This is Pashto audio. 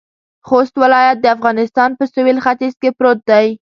خوست ولایت د افغانستان په سویل ختيځ کې پروت دی.